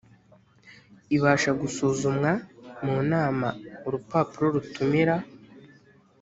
ibasha gusuzumwa mu nama urupapuro rutumira